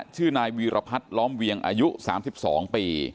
ชื่อนายวีรพัดล้อมเวียงอายุสามสิบสองปี